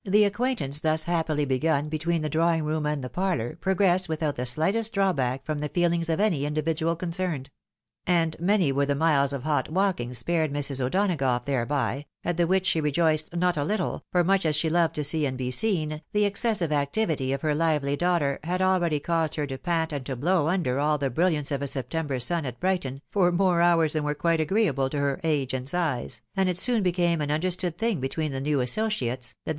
The acquaintance thus happily begun between the drawing room and the parlour, progressed without the slightest draw back from the feelings of any single individual concerned ; and many were the miles of hot walking spared Mrs. O'Donagough thereby, at the which she rejoiced not a httle, for much as she loved to see and be seen, the excessive activity of her hvely daughter, had already caused her to pant and to blow under all the brilliance of a September sun at Brighton, for more hours than were quite agreeable to her age and size, and it soon be came an understood thing between the new associates, that the THE VAITJE OF FASHIONABLE RELATIONS.